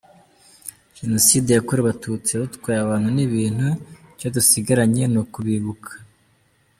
Jenoside yakorewe Abatutsi yadutwaye abantu n’ibintu icyo dusigaranye ni ukubibuka.